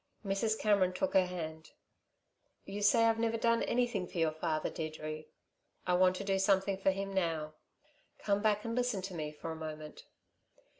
Mrs. Cameron took her hand. "You say I've never done anything for your father, Deirdre. I want to do something for him now. Come back and listen to me for a moment."